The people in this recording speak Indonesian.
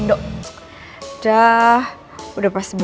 ntar lo juga tau